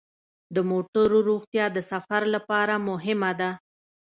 د موټرو روغتیا د سفر لپاره مهمه ده.